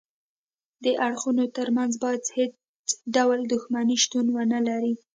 د اړخونو ترمنځ باید هیڅ ډول دښمني شتون ونلري